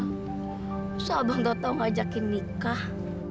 bisa abang tau tau ngajakin nikah